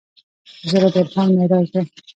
ژبه د عرفان معراج دی